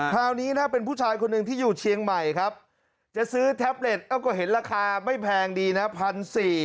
คราวนี้นะเป็นผู้ชายคนหนึ่งที่อยู่เชียงใหม่ครับจะซื้อแท็บเล็ตก็เห็นราคาไม่แพงดีนะ๑๔๐๐บาท